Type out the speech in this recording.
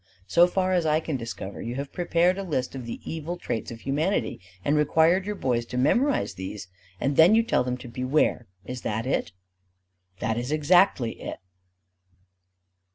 So far as I can discover, you have prepared a list of the evil traits of humanity and required your boys to memorize these: and then you tell them to beware. Is that it?" "That is exactly it."